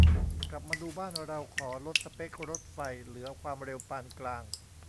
กลับมาดูบ้านเรา ขอลดสเป็กรถไฟเหลือความเร็วปานกลาง